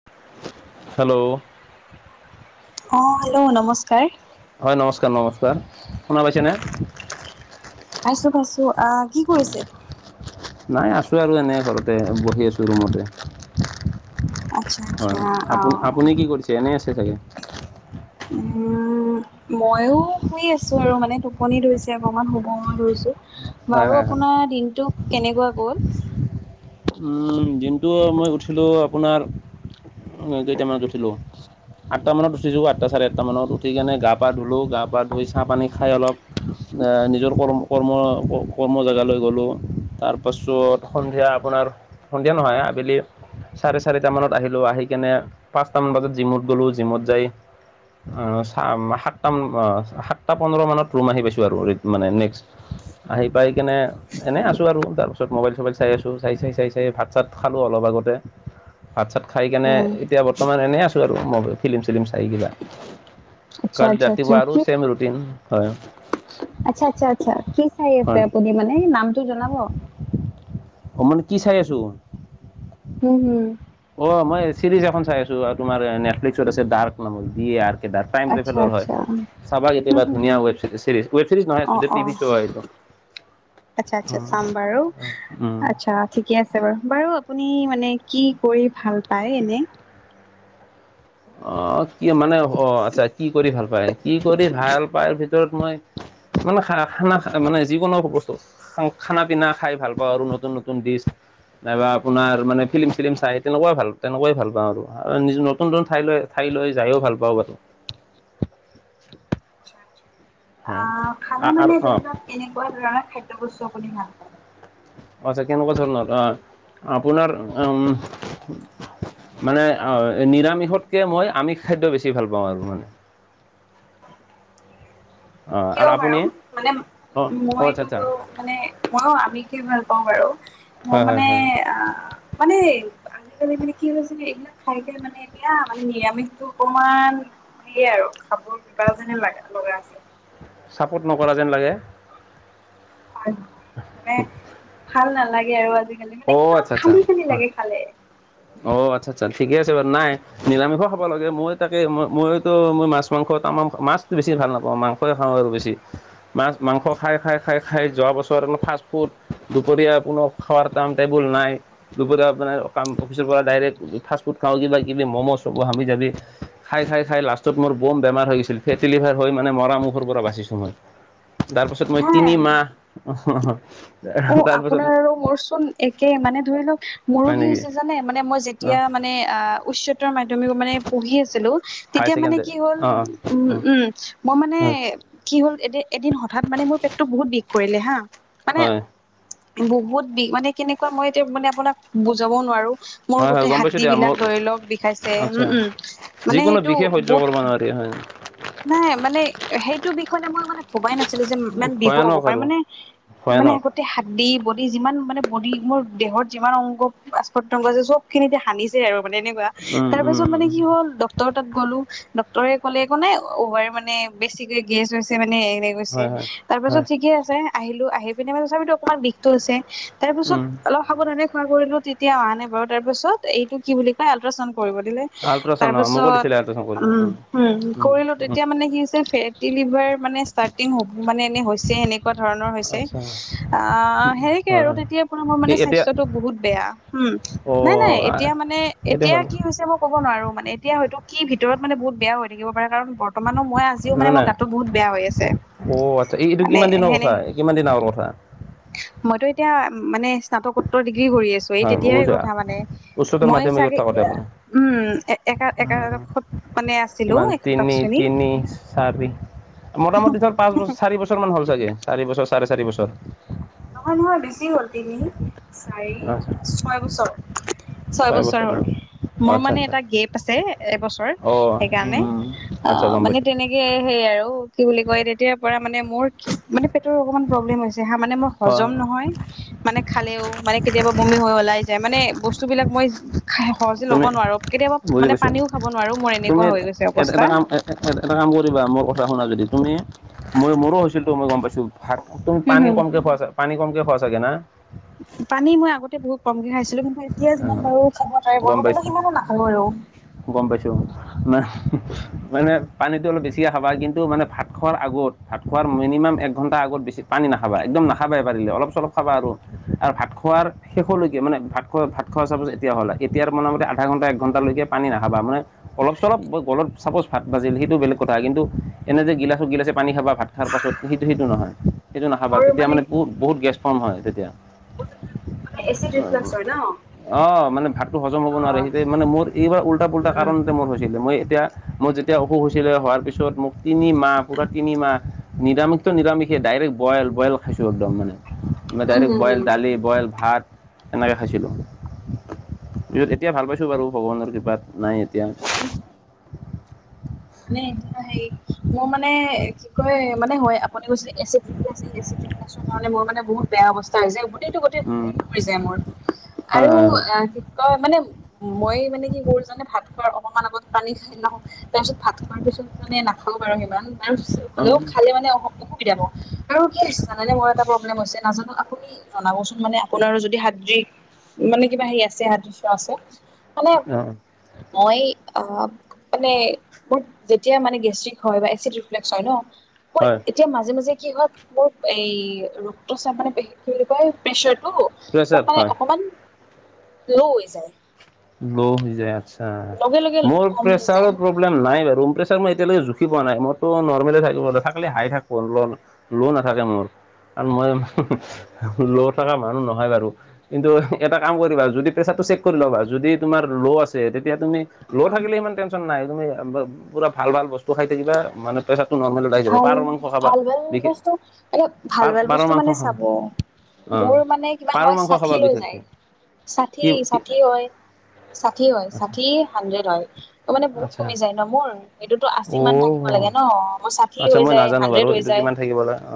[unintelligible] Hello অ, hello নমস্কাৰ। হয় নমস্কাৰ নমস্কাৰ শুনা পাইছেনে পাইছো পাইছো আহ কি কৰিছে নাই আছোঁ আৰু এনেই ঘৰতে বহি আছোঁ ৰুমতে আচ্ছা আচ্ছা হয় অ আপু আপুনি কি কৰিছে এনেই আছে চাগে উম ময়ো শুই আছো আৰু মানে টোপনি ধৰিছে অকমান শুব ধৰিছো হয় বাৰু হয় হয় আপোনাৰ দিনটো কেনেকুৱা গ'ল উম দিনটো মই উঠিলো আপোনাৰ কেইটামানত উঠিলো আঠটা মানত উঠিছো আঠটা চাৰে আঠটা মানত উঠি কিনে গা পা ধুলো গা পা ধুই চাহ পানী খাই অলপ এ নিজৰ কৰ্ম কৰ্ম কৰ্ম জেগালৈ গলো তাৰ পাছত সন্ধিয়া আপোনাৰ সন্ধিয়া নহয় আবেলি চাৰে চাৰিটা মানত আহিলো আহি কেনে পাঁচটা মান বজাত জিমত গ'লো জিমত যাই অ চাম সাতটান সাতটা পোন্ধৰ মানত ৰুম আহি পাইছো আৰু মানে নেক্সট আহি পাই কেনে এনেই আছো আৰু তাৰ পিছত মোবাইল চবাইল চাই আছো চাই চাই চাই চাই ভাত চাত খালোঁ অলপ আগতে ভাত চাত খাই কেনে উম এতিয়া বৰ্ত বৰ্তমান এনেই আছো আৰু ম ফিলিম চিলিম চাই কিবা আচ্ছা কালি আচ্ছা আচ্ছা ৰাতিপুৱা আৰু কি সেম ৰুটিন হয় আচ্ছা আচ্ছা আচ্ছা কি চাই আছে আপুনি মানে নামটো জনাব? সমন কি চাই আছোঁ উম হুম অ মই চিৰিজ এখন চাই আছো আৰু তোমাৰ নেট লফ্লিক্সত আছে ডাৰ্ক নামক ডি এ আৰৰ্ক ডাৰ্ক আচ্ছা টাইমটোভোলৰ হয় আচ্ছা চাবা হুম কেতিয়াবা হুম ধুনীয়া হুম ৱেব চিৰি ৱেব চিৰিজ নহয় অ চোযে অ টিভি শ্ব' হয় এইটো আচ্ছা আচ্ছা উম, চামবাৰো উম। আচ্ছা ঠিকে আছে বাৰু বাৰু আপুনি মানে কি কৰি ভাল পায় এনেই অ কি মানে অ আচ্ছা কি কৰি ভাল পায় কি কৰি ভাল পাই ভিত ভিতৰত মই মানে খ খানা মানে যিকোনো বস্তু খা খানা পিনা খাই ভাল পাওঁ আৰু নতুন নতুন ডিচ নাইবা আপোনাৰ মানে ফিল্ম চিলিম চাই তেনেকুৱাই ভাল তেনেকুৱাই ভাল পাওঁ আৰু নিজ নতুন নতুন ঠাইলৈ ঠাইলৈ যায়ো ভাল পাওঁ বাৰু আহ খানা আৰু মানে অ' ধৰি লওক কেনেকুৱা ধৰণৰ খাদ্য বস্তু আপুনি ভাল পায় আচ্ছা কেনেকুৱা ধৰণৰ আ আপোনাৰ মানে অ নিৰামিষতকে মই আমিষ খাদ্য বেছি ভাল পাওঁ আৰু মানে অ' কিয় আৰু আপুনি বাৰু মানে অ' অ' আচ্ছা আচ্ছা মইটো মানে ময়ো আমিষ এ ভাল পাওঁ বাৰু হয় মোৰ হয় মানে হয় আহ মানে আজিকালি মানে কি হৈছে এইবিলাক খাই খাই মানে এতিয়া মানে নিৰামিষটো অকমান সেয়ে আৰু খাবৰ কিবা যেনে লাগে লগা আছে ছাপৰ্ট নকৰা যেন লাগে হয় মানে ভাল নালাগে আৰু আজিকালি মানে অ কিবা আচ্ছা আচ্ছা খালি খালি হয় লাগে খালে। অ আচ্ছা আচ্ছা ঠিকে আছে বাৰু নাই নিৰামিষ ও খাব লাগে মই তাকে মই মইতো মই মাছ মাংস তামাম মাছটো বেছি ভাল নাপাওঁ মাং সই খাওঁ আৰু বেছি মাছ মাংস খাই খাই খাই খাই যোৱা বছৰ অলপ ফাষ্ট ফুড দুপৰীয়া কোনো খৱাৰ টাইম তেবুল নাই দুপৰীয়া মানে কাম অফিচৰ পৰা ডাইৰেক্ট ফাষ্ট ফুড খাওঁ কিবা কিবি ম'ম' চ'ম' হাবি জাবি খাই খাই খাই লাষ্টত মোৰ ব'ম বেমাৰ হৈ গৈছিল ফেটি লিভাৰ হৈ মানে মৰা মুখৰ পৰা বাচিছো মই তাৰ পাছত মই তিনি হা মাহ অহ হ হ অ আপোনাৰ আৰু মোৰচোন একে মানে ধৰি লওক মোৰো হয় কি নেকি? হৈছে জানে মানে মই অ' যেতিয়া মানে আহ উচ্চতৰ মাধ্যমিকত মানে পঢ়ি আছিলোঁ। হায়াৰ তেতিয়া মানে ছেকেণ্ডেৰী কি হ'ল, অ উম অ - উম, মই মানে হয় কি হ'ল, এদি- এদিন হঠাৎ মানে মোৰ পেটটো বহুত বিষ কৰিলে, হা। মানে হয়। বহুত বিষ, মানে কেনেকুৱা মই এতিয়া মানে আপোনাক বুজাবও নোৱাৰোঁ। মোৰ হয় হয় গোটেই গম পাইছো দিয়া মোক হাড্ডিবিলাক ধৰি লওঁক বিষাইছে, আচ্ছা উম - উম, মানে সেইটো বহুত দি হয়। নাই, মানে সেইটো বিষয়ে মই মানে ভবাই নাছিলোঁ যে ইমান বিষো হব ভয়ানক পাৰে, আৰু মানে ভয়ানক? গোটে হাড্ডি, বডি যিমান মানে বডি- মোৰ দেহত যিমান অংগ- পত্যংগ আছে চব খিনিতে হানিছে আৰু মানে এনেকুৱা। উম তাৰ উম পাছত উম মানে কি হ'ল, ডক্ টৰ তাত গ'লো, ডক্টৰে ক'লে একো নাই, অভাৰ মানে বেছিকে গেছ হৈছে মানে এনে গৈছে। হয় হয় তাৰ পাছত হয় ঠিকে আছে, আহিলো, আহি পিনে মানে তথাপিতো অকমান বিষটো হৈছে। তাৰ পিছত উম অলপ সাৱধানে খোৱা কৰিলোঁ, তেতিয়া অহা নাই বাৰু। তাৰ পিছত এইটো কি বুলি কয়, আল্ট্ৰাছাউন কৰিব দিলে। তাৰ আল্ট্ৰাছাউন, অ' মোকো পাছত দিছিলে আল্ট্ৰাছাউন উম, কৰিব, উম। কৰিলো উম, উম। তেতিয়া মানে কি হৈছে, ফেটি লিভাৰ মানে ষ্টাৰ্লিং হ- মানে এনে হৈছে সেনেকুৱা ধৰণৰ‌ আছে। আচ্ছা আ- হেৰিকে হয় আৰু হয় তেতিয়াৰ পৰা মোৰ কি মানে এতিয়া স্বাস্থ্যটো বহুত বেয়া। উম, অ নাই - নাই। এতিয়া মানে- এতিয়া কি হৈছে, মোক ক'ব নোৱাৰোঁ মানে এতিয়া হয়তো কি ভিতৰত মানে বহুত বেয়া হৈ থাকিব পাৰে, কাৰণ ব ৰ্তমানো মই আজিও নাই মানে মোৰ নাই গাটো বহুত বেয়া হৈ আছে। অ' আচ্ছা। এই- এইটো মানে কিমান দিনৰ সেনে কথা? কিমান দিন আগৰ কথা? মইতো এতিয়া মানে স্নাতকোত্তৰ ডিগ্ৰী কৰি আছোঁ। তো এই হয় তেতিয়াই বুজা কথা মানে। উচ্চতৰ মই মাধ্যমিকত চাগে থাকোতে এ আপুনি উম, এক- একা- একাদশত মানে আছিলোঁ কিমান তিনি - তিনি, চাৰি মোটামুটি ধৰ, পাঁচ বছ- চাৰি বছৰ মান হ'ল চাগে। চাৰি বছৰ, চাৰে চাৰি বছৰ। নহয় - নহয়, বেছি হ'ল। তিনি, চাৰি, আচ্ছা ছয় বছৰ। ছয় বছৰ হ'ল। মোৰ আচ্ছা মানে আচ্ছা এটা গেপ আছে এবছৰ। অ সেইকাৰণে। আচ্ছা অ' গম মানে পাইছোঁ তেনে কে সেই আৰু কি বুলি কয়, তেতিয়াৰ পৰা মানে মোৰ কি- মানে পেটৰ অকমান প্ৰব্লেম হৈছে হা, মানে মই হয় হজম নহয়। মানে খালেও মানে কেতিয়াবা বমি হৈ ওলাই যায়। মানে বস্তুবিলাক মই সহজে ল'ব তুমি নোৱাৰোঁ। কেতিয়াবা বুজি মানে পাইছোঁ পানীও খাব নোৱাৰোঁ, মোৰ এনেকুৱা হৈ গৈছে অৱস্থা। এ- এটা কাম কৰিবা, মোৰ কথা শুনা যদি। তুমি- মই- মোৰো হৈছিলতো, মই গম পাইছোঁ ভাত- তুম হুম পানী হুম কমকে খোৱা চা- পানী কমকে খোৱা চাগে না? পানী মই আগতে বহুত কমকে খাইছিলোঁ, কিন্তু এতিয়া যিমান পাৰোঁ খাব অ ট্ৰাই কৰোঁ, কিন্তু সিমানো নাখালোঁ আৰু। গম পাইছোঁ। না- মানে পানীটো অলপ বেছিকে খাবা, কিন্তু মানে ভাত খোৱাৰ আগত। ভাত খোৱাৰ মিনিমাম এক ঘণ্টা আগত বেছি পানী নাখাবা। একদম নাখাবাই পাৰিলে, অলপ-চলপ খাবা আৰু, আৰু ভাত খোৱাৰ শেষলৈকে মানে ভাত খোৱা- ভাত খোৱা চাপছ এতিয়া হ'লে, এতিয়াৰ মোটামুটি আধা ঘণ্টা একঘণ্টালৈকে পানী নাখাবা, মানে অলপ-চলপ ব গলত ছাপ'জ ভাত বাজিল, সেইটো বেলেগ কথা। কিন্তু এনে যে গিলাচে - গিলাচে পানী খাবা ভাত খাৰ পাছত, সেইটো - সেইটো নহয়। সেইটো নাখাবা। তেতিয়া মানে বহুত - বহুত গেছ ফৰ্ম হয় তেতিয়া। এচিড ৰিফ্লাক্স হয় ন অ' মানে ভাত টো হজম হ'ব নোৱাৰে। অ'। সেইটোৱে মানে মোৰ এইবাৰ উল্টা পুল্টা উম, কাৰণতে মোৰ হৈছিল। মই এতিয়া মোৰ যেতিয়া অসুখ হৈছিলে, হোৱাৰ পিছত মোক তিনি মাহ পুৰা তিনি মাহ নিৰামিষ তো নিৰামিষে, ডাইৰেক্ট বইল - বইল খাইছোঁ একদম মানে। মই উম, হম, ডাইৰেক্ট হম বইল দালি, বইল ভাত, এনেকৈ খাইছিলোঁ। পিছত এতিয়া ভাল পাইছোঁ বাৰু, ভগৱানৰ কৃপাত। নাই এতিয়া। মানে এতিয়া হেৰি মোৰ মানে কি কয় মানে হয় আপুনি কৈছি এচি ডিতি আছে এচি ডিতি [unintelligible] পইচা কাৰণে মই মানে বহুত- বেয়া অৱস্থা হৈছে গোটেইটো-গোটেই উম শু পৰি যায় মোৰ। হয় আৰু হয় আঁহ- ক' মানে মই মানে কি কৰো জানে ভাত খোৱাৰ অকণমান আগত পানী খাই লও। তাৰপিছত- ভাত খোৱাৰ পিছত মানে নাখাওঁ বাৰু সিমান নাচ হয় হ'লেও খালেও মানে অ' অসুবিধা পাওঁ। আৰু কি হৈছে জানানে মই এটা প্ৰব্লেম হৈছে আপুনি জনাবচোন? মানে আপোনাৰ যদি সাদ্ৰিক মানে কিবা হেৰি আছে সাদৃশ্য আছে? মানে অ অ মই আহ মানে মোৰ যেতিয়া মানে গেষ্টিক হয় বা এচিড ৰিফ্লেক্স হয় ন মোৰ হয় এতিয়া মাজে মাজে কি হয় মোৰ এই ৰক্ত চাপ মানে কি বুলি কয় প্ৰেচাৰটো মোৰ প্ৰেছাৰ মানে হয় অকমান লৌ হৈ যায়। লো' হৈ যায় আচ্ছা, লগে লগে মোৰ কমি প্ৰেছাৰৰ যায় প মোৰ প্ৰব্লেম নাই বাৰু প্ৰেছাৰ মই এতিয়ালৈকে জুখি পোৱা নাই মোৰটো নৰ্মেলে থাকিব থাকলে হাই থাকব ল লো নাথাকে মোৰ কাৰণ মই লৌ থকা মানুহ নহয় বাৰু কিন্তু এটা কাম কৰিবা যদি প্ৰেচাৰটো চেক কৰি ল'বা। যদি তোমাৰ ল' আছে, তেতিয়া তুমি ল' থাকিলে সিমান তেন চন নাই তুমি পুৰা ভাল-ভাল বস্তু খাই থাকিবা। মানু- ভাল, ভাল, ভাল বিশেষ বস্তু এতিয়া পাৰ ভাল-ভাল পাৰৰ বস্তু মাংস মানে খাবা চাব। অ মোৰ মানে কিমান পাৰৰ হয় মাংস ষাঠি খাবা লৈ বিশেষকে যায়, কি কি ষাঠি-ষাঠি হয়। ষাঠি হয়, আচ্ছা ষাঠি হানড্ৰেড হয়। মো মানে বহুত আচ্ছা কমি যায় ন মোৰ, এইটো তো আশী মান থাকিব অ লাগে। ন' মোৰ ষাঠি হৈ যায়, হানড্ৰেড হৈ যায়।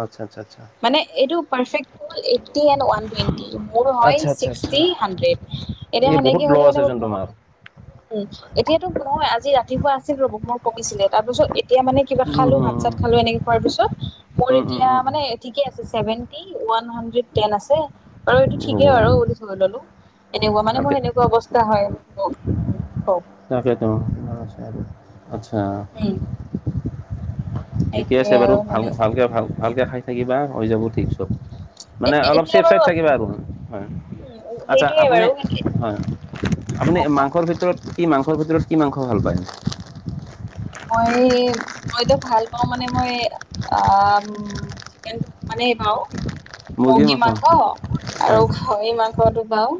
আচ্ছা-আচ্ছা। মানে এইটো পাৰফেক্টটো এইটি এণ্ড ওৱান টুৱেণ্টি। মোৰ হয়, আচ্ছা আচ্ছা আচ্ছা ছিক্সটি হাড্ৰেড। এতিয়া এই বহুত সেনেকে ল হ'লে মানে মোৰ আছেচোন তোমাৰ বহুত- উম। এতিয়াটো নহয় আজি ৰাতিপুৱা আছিল ৰব মোৰ কমিছিলে, তাৰ পিছত এতিয়া মানে- কিবা খালো, ভাত-চাত খালো, এনেকে খোৱাৰ পিছত। মোৰ এতিয়া মানে- ঠিক আছে চেভেনটি ওৱান হাড্ৰেড টেন আছে, আৰু এইটো ঠিকেই ভগৱান আৰু ওনিছলৈ ল'লো এনেকুৱা মানে ভালকে মোৰ এনেকুৱা অৱস্থা হয়। তাকে টো, আচ্ছা। উম। ঠিকে আছে বাৰু। আৰু মানে ভাল-ভালকে, ভাল-ভালকে খাই থাকিবা হৈ যাব ঠিক চব। এ মানে অলপ এতিয়া চেফ বাৰু চাইথ আপ থাকিবা আৰু হয় উম, আচ্ছা সেইটোয়ে আপুনি বাৰু কিন্তু হয়, আপুনি কওক কওক মাংসৰ ভিতৰত- কি' মাংসৰ ভিতৰত, কি' মাংস ভাল পায়? মই এই মইতো ভাল পাওঁ মানে মই আহ- চিকেন মানে পাওঁ, মুৰ্গী মাংস আৰু হয় গাহৰি মাংস- পাওঁ,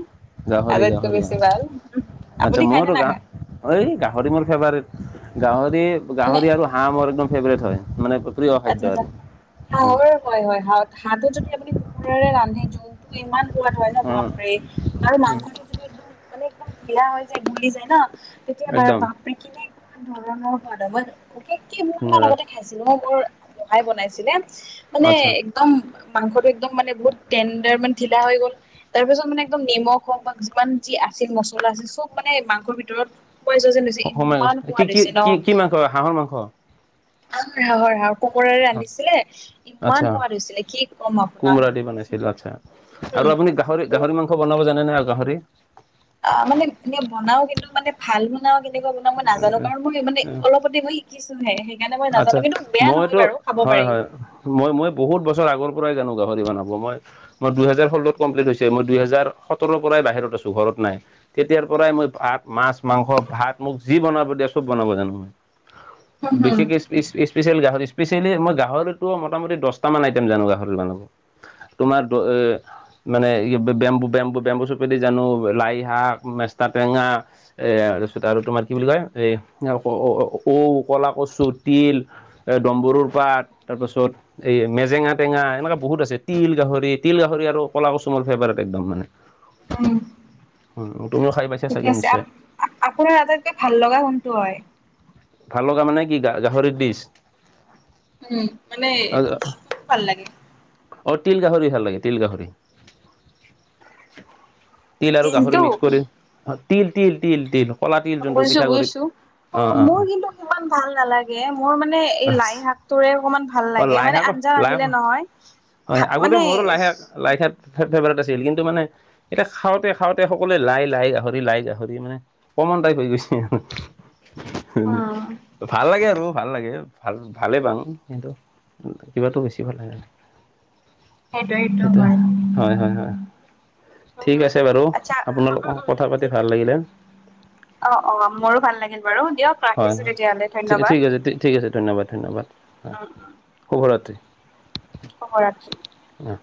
গাহৰি আটাইটকৈ গাহৰি বেছি ভাল। আচ্ছা আপুনি খাই মোৰ নে গা নেখায়? এই গাহৰি মোৰ ফেভাৰট। মানে গাহৰি-গাহৰি আৰু হাঁহ মোৰ একদম ফেভাৰট হয়। মানে প্ৰিয় আচ্ছা খাদ্য আচ্ছা আৰু হুম। হাঁহৰ হয় হয় হাঁহতো যদি আমি কুকুৰৰে ৰান্ধি জু জুলটো ইমান সোৱাদ হয় ন' উম, বাপৰে আৰু উম, মাংসটো- যদি একদম মানে একদম ঢিলা হৈ যায় গুলি যায় ন, তেতিয়া একদম বাৰু- পিকিনিক খোৱা ধৰণৰ সোৱাদ হয়, [unintelligible] মই কেইমাহ মান ধুনীয়া আগতে খাইছিলো, মোৰ- মহাই বনাইছিলে‌ আচ্ছা মানে- একদম মাংসটো একদম মানে বহুত টেণ্ডাৰ মানে ঢিলা হৈ গ'ল। তাৰ পিছত মানে একদম নিমখ হওক বা যিমান যি আছিল মছলা আছিল চব মানে মাংসৰ ভিতৰত- সোমাই যোৱা যেন নিছ অসমীয়া কৈছে। কি কি কি কি মাংস হাঁহৰ মাংস। হাঁহৰ- হাঁহৰ কোমৰোৰে ৰান্ধিছিলে, আচ্ছা ইমান সোৱাদ হৈছিলে কি ক'ম আপোনাক। সেইটো আচ্ছা। আৰু উম, আপুনি গাহৰি-গাহৰি মাংস বনাব জানে নে আৰু গাহৰি? অ মানে এনেই বনাও, কিন্তু মানে ভাল বনাও, কেনেকোৱা বনাও মই নাজানো। আৰু মই মানে অলপতে মই শিকিছোহে সেইকাৰণে মই নাজানো আচ্ছা কিন্তু বেয়া নহয় মইতো বাৰু খাব হয় পাৰি। হয় মই মই, বহুত বছৰ আগৰ পৰাই জানো গাহৰি বনাব মই মই দুহেজাৰ ষোল্লত কমপ্লিট হৈছে, মই‌ দুহেজাৰ সোতৰৰ পৰাই বাহিৰত আছো ঘৰত নাই তেতিয়াৰ পৰাই মই ভাত মাছ মাংস ভাত মোক যি বনাব দিয়া চব বনাব জানো মই। [inaudible] বেছিকে- ইচ স্পেচিয়েল গাহৰি, স্পেচিয়েলি মই গাহৰিটোৰ মোটামুটি দহটা মান আইটিয়েম জানো গাহৰি বনাব। তোমাৰ দ এ মানে বেম্বু বেম্বু বেম্বু চুপেদি জানো, লাই শাক, মেষ্টা টেঙা- এ তাৰপিছত আৰু তোমাৰ কি বুলি কয় এ ঔ, কলা কচুত তিল, এ দম্বৰুৰ পাত তাৰপাছত- এই মেজেঙা টেঙা এনেকা বহুত আছে, তিল গাহৰি, তিল গাহৰি আৰু কলা কচু মোৰ ফেভাৰেট একদম মানে। উম। উম তুমিও খাই পাই ঠিকে আছে, আ আপোনাৰ আটাইতকৈ ভাল লগা কোনটো হয়? ভাল লগা মানে কি গা গাহৰি দিছ উম মানে ভাল লাগে অ তিল গাহৰি ভাল লাগে তিল গাহৰি। তিল আৰু গাহৰি তিলটো মিক্স কৰি, অ তিল তিল তিল তিল কলা তিল যোনটো বুজিছো, পিঠাগুৰি বুজিছো। অ অ মোৰ কিন্তু সিমান ভাল নালাগে মোৰ মানে এই লাই অ শাকটোৰে অকমান ভাল ভাল অ লাগে, মানে লাইশাক আঞ্জা লাইশাক ৰান্ধিলে নহয়। ভা হয়, আগতে মানে মোৰতো লাইশাক লাইশাক ফেভাৰেট আছিল কিন্তু মানে এতিয়া খাওতে, খাওতে সকলোৱে লাই লাই গাহৰি লাই গাহৰি মানে কমন টাইপ হৈ গৈছে আও উম ভাল লাগে আৰু ভাল লাগে। ভাল ভালেই পাঙ, কিন্তু কিবাটো বেছি ভাল লাগে ন সেইটো সেইটো সেইটোৱেই হয়। হয় হয় হয়। উম ঠিক উম আছে বাৰু আচ্ছা আপোনাৰ উম উম লগত কথা উম পাতি ঠিক ভাল লাগিলে। অ, অ, মোৰো ভাল লাগিল বাৰু দিয়ক হয় ৰাখিছো হয় তেতিয়াহ'লে ঠি ধন্যবাদ। ঠিক আছে ঠিক আছে ধন্যবাদ ধন্যবাদ হয়। উম শুভৰাত্ৰি শুভৰাত্ৰী অহ